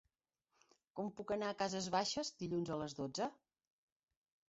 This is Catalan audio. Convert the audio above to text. Com puc anar a Cases Baixes dilluns a les dotze?